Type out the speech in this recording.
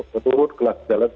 menurut kelas jalan